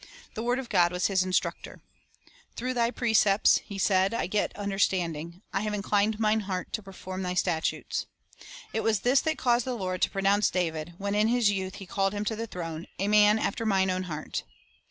The word of God was his instructor. "Through Thy precepts," he said, "I get understanding. I have inclined mine heart to perform Thy statutes." 1 It was this that caused the Lord to pro nounce David, when in his youth He called him to the throne, "a man after Mine own heart."